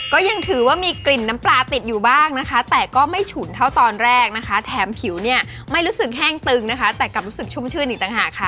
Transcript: ก็ยังถือว่ามีกลิ่นน้ำปลาติดอยู่บ้างนะคะแต่ก็ไม่ฉุนเท่าตอนแรกนะคะแถมผิวเนี่ยไม่รู้สึกแห้งตึงนะคะแต่กลับรู้สึกชุ่มชื่นอีกต่างหากค่ะ